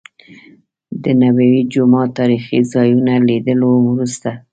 د نبوي جومات تاريخي ځا يونو لیدلو وروسته.